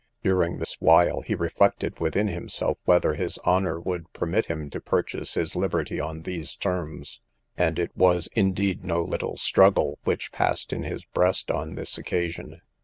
During this while, he reflected within himself, whether his honour would permit him to purchase his liberty on these terms: and it was indeed no little struggle which passed in his breast on this occasion.